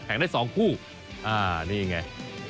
แข่งได้สองคู่อ่านี่ไง